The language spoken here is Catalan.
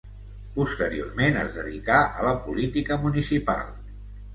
Posteriorment es dedicà a la política municipal.